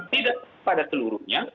tidak pada seluruhnya